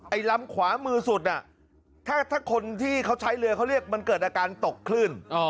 ลำขวามือสุดถ้าคนที่เขาใช้เรือเขาเรียกมันเกิดอาการตกคลื่น